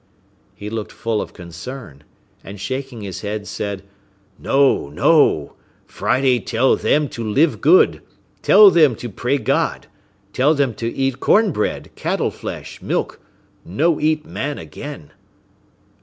He looked full of concern, and shaking his head, said, "No, no, Friday tell them to live good; tell them to pray God; tell them to eat corn bread, cattle flesh, milk; no eat man again."